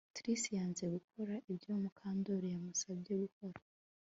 Trix yanze gukora ibyo Mukandoli yamusabye gukora